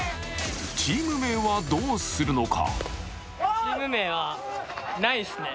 チーム名はどうするのか。